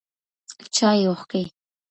چایې اوښکي